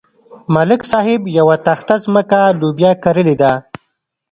ملک صاحب یوه تخته ځمکه لوبیا کرلې ده.